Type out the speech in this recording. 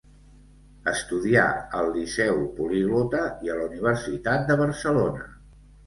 Estudià al Liceu Poliglota i a la Universitat de Barcelona.